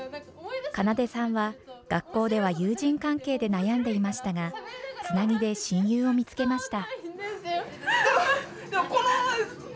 かなでさんは学校では友人関係で悩んでいましたがつなぎで親友を見つけました。